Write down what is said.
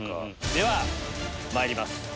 ではまいります。